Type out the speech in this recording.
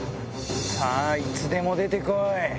さぁいつでも出て来い！